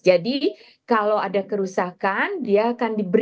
jadi kalau ada kerusakan dia akan diberi